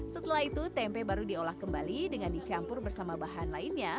setelah itu tempe baru diolah kembali dengan dicampur bersama bahan lainnya